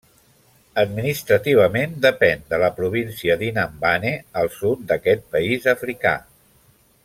Administrativament depèn de la província d'Inhambane al sud d'aquest país africà.